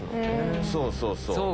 そうそうそう。